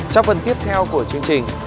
trong phần tiếp theo của chương trình